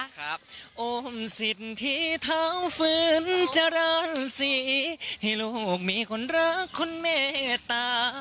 ครับโอ้มสิทธิเท้าฝืนจรรสีให้ลูกมีคนรักคนเมตตา